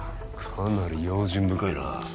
かなり用心深いな